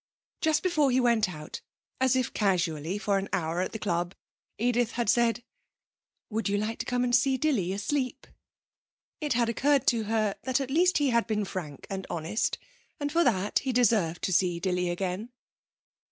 Just before he went out, as if casually for an hour at the club, Edith had said: 'Would you like to come and see Dilly asleep?' It had occurred to her that at least he had been frank and honest, and for that he deserved to see Dilly again.